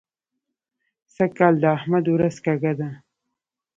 سږ کال د احمد ورځ کږه ده.